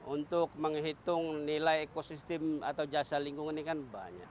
untuk menghitung nilai ekosistem atau jasa lingkungan ini kan banyak